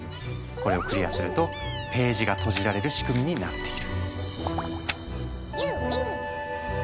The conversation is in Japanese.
これをクリアするとページがとじられる仕組みになっている。